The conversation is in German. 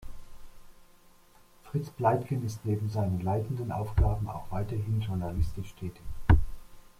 Fritz Pleitgen ist neben seinen leitenden Aufgaben auch weiterhin journalistisch tätig.